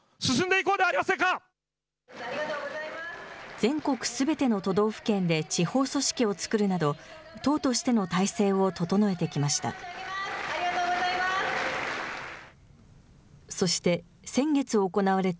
全国すべての都道府県で、地方組織をつくるなど、党としての体制を整えてきました。